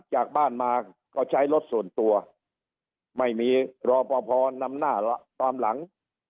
จากบ้านมาก็ใช้รถส่วนตัวไม่มีรอปภนำหน้าตามหลัง